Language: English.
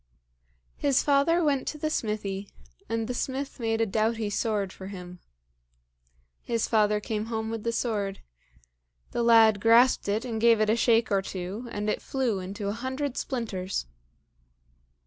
His father went to the smithy, and the smith made a doughty sword for him. His father came home with the sword. The lad grasped it and gave it a shake or two, and it flew into a hundred splinters.